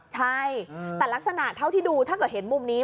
ใช่แต่ลักษณะเท่าที่ดูถ้าเกิดเห็นมุมนี้